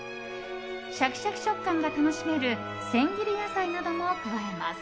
シャキシャキ食感が楽しめる千切り野菜なども加えます。